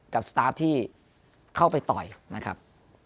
สตาฟที่เข้าไปต่อยนะครับ